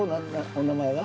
お名前は？